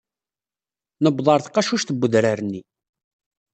Nuweḍ ɣer tqacuct n wedrar-nni.